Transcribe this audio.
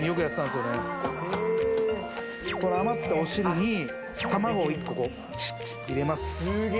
これこの余ったお汁に卵を１個こう入れます